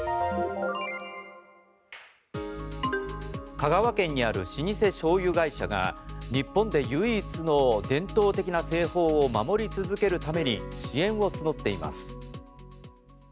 香川県にある老舗しょうゆ会社が日本で唯一の伝統的な製法を守り続けるために支援を募っています。